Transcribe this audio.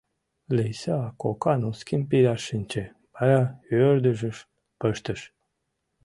Лийса кока носким пидаш шинче, вара ӧрдыжыш пыштыш.